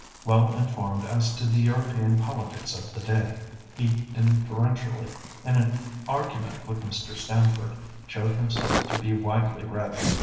Well informed as to the European politics of the day, he inferentially, in an argument with Mr. Stamford, showed himself to be widely read.